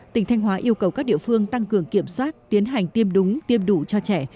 tỉnh thanh hóa yêu cầu các địa phương tăng cường kiểm soát tiến hành tiêm đúng tiêm đủ cho trẻ